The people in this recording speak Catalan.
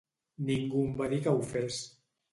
Ningú em va dir que ho fes.